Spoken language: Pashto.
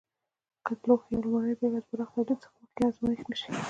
که د لوښو یوه لومړنۍ بېلګه د پراخ تولید څخه مخکې ازمېښت نه شي.